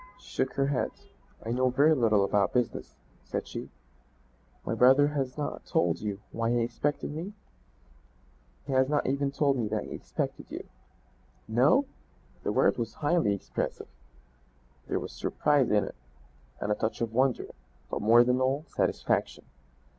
She shook her head. "I know very little about business," said she. "My brother has not told you why he expected me?" "He has not even told me that he expected you." "No?" The word was highly expressive; there was surprise in it and a touch of wonder, but more than all, satisfaction.